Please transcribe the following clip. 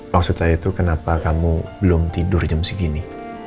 maksud saya itu kenapa kamu belum tidur jam segini